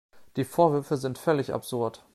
Die Vorwürfe sind völlig absurd.